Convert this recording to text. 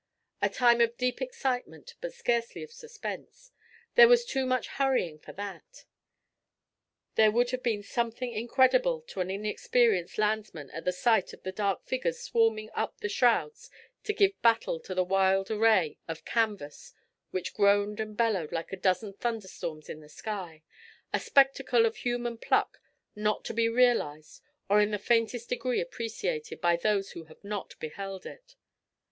A time of deep excitement, but scarcely of suspense—there was too much hurrying for that. There would have been something incredible to an inexperienced landsman in the sight of the dark figures swarming up the shrouds to give battle to the wild array of canvas which groaned and bellowed like a dozen thunder storms in the sky—a spectacle of human pluck not to be realized, or in the faintest degree appreciated, by those who have not beheld it.